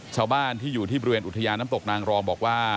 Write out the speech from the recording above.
ชาวบ้านที่อยู่ที่บริเวณอุทยานน้ำตกนางรองบอกว่า